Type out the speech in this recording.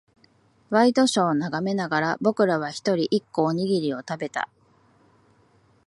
ワイドショーを眺めながら、僕らは一人、一個、おにぎりを食べた。